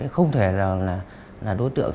không thể là đối tượng